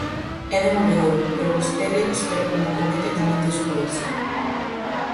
É demoledor, pero vostede espero que mo comente tamén despois.